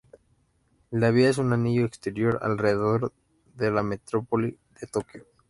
La vía es un anillo exterior alrededor de la metrópoli de Tokio.